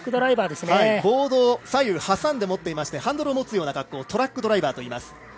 ボードを左右挟んで持っていましてハンドルを持つような格好を、トラックドライバーといいます。